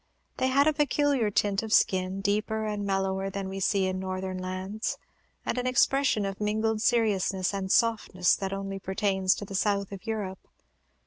They had a peculiar tint of skin, deeper and mellower than we see in Northern lands, and an expression of mingled seriousness and softness that only pertains to the South of Europe.